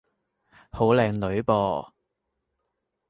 好靚女噃